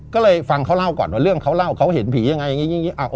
ก็เลยฟังเขาเล่าก่อนว่าเรื่องเขาเล่าเขาเห็นผียังไงอย่างนี้